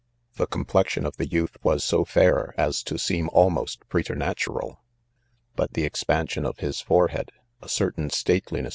iThe complexion of the youth was so fair, as to seem almost preternatural ; but the expan sion of his forehead, a certain stateliness of THJS.